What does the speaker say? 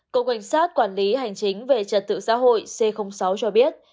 cộng hành xác quản lý hành chính về trật tự xã hội c sáu cho biết